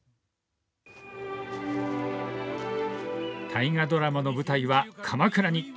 大河ドラマの舞台は鎌倉に。